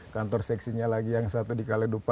kantor seksinya lagi yang satu di kaledupa